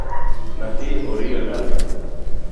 Nyathi oriyo nade?